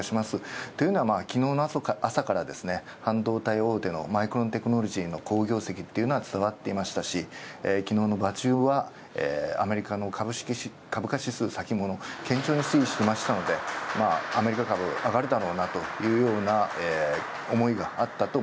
というのは、昨日の朝から半導体大手のマイクロンテクノロジーが伝わっていましたし、昨日の場中はアメリカの株価指数先物がけんちょうに推移していたのでアメリカ株上がるだろうという思いがありました。